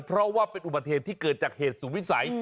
เพราะว่าเป็นอุบัติเหตุที่เกิดจากเหตุสูงวิสัย